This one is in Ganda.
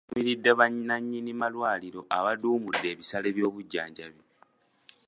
Mufti yavumiridde bannannyini malwaliro abaaduumudde ebisale by’obujjanjabi.